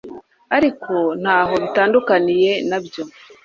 ariko ntaho bitandukaniye nabyo